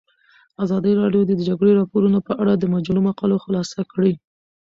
ازادي راډیو د د جګړې راپورونه په اړه د مجلو مقالو خلاصه کړې.